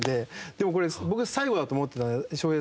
でもこれ僕は最後だと思って。